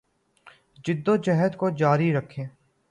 پنی جدوجہد کو جاری رکھیں